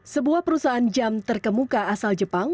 sebuah perusahaan jam terkemuka asal jepang